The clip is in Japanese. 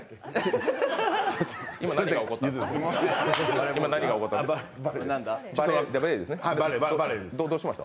今、何が起こった？